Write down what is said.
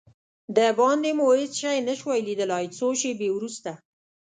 دباندې مو هېڅ شی نه شوای لیدلای، څو شېبې وروسته.